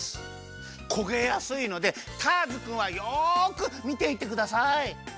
こげやすいのでターズくんはよくみていてください！